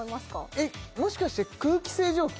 えっもしかして空気清浄機？